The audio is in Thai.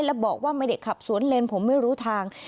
และบอกว่าไม่ได้ขับสวนเลนผมไม่รู้ทาง